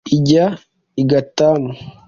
ijya i gatamu.